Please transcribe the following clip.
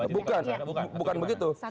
bukan bukan begitu